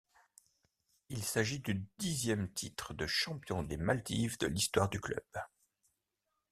Il s'agit du dixième titre de champion des Maldives de l'histoire du club.